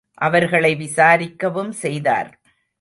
அவர்களை விசாரிக்கவும் செய்தார்.